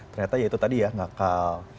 ternyata ya itu tadi ya nakal